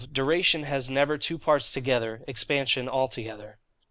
Duration has never two Parts together, Expansion altogether.